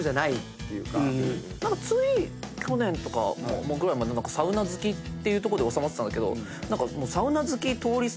つい去年とかぐらいまでサウナ好きっていうとこで納まってたんだけど。